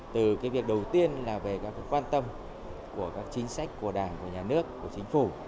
từ việc đầu tiên là về các quan tâm của các chính sách của đảng của nhà nước của chính phủ